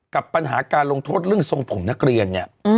กับปัญหาการลงโทษเรื่องทรงผมนักเรียนเนี่ย